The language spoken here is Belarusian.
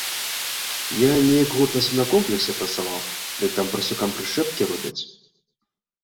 Я неяк год на свінакомплексе працаваў, дык там парсюкам прышчэпкі робяць.